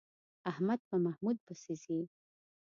احمد په محمود پسې ځي.